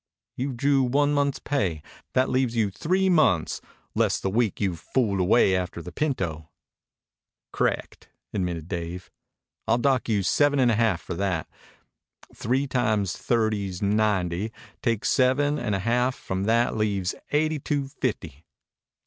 "You've drew one month's pay. That leaves you three months, less the week you've fooled away after the pinto." "C'rect," admitted Dave. "I'll dock you seven and a half for that. Three times thirty's ninety. Take seven and a half from that leaves eighty two fifty."